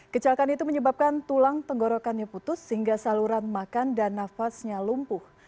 kecelakaan itu menyebabkan tulang tenggorokannya putus sehingga saluran makan dan nafasnya lumpuh